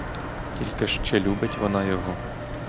Тільки ж чи любить вона його?